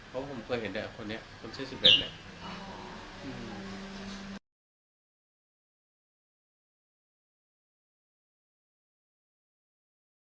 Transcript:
เพราะผมเคยเห็นแบบคนนี้คนที่๑๑เนี่ย